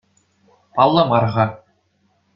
Паллӑ мар-ха.